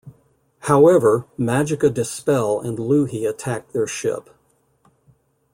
However, Magica De Spell and Louhi attack their ship.